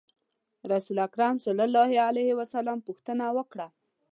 رسول اکرم صلی الله علیه وسلم پوښتنه وکړه.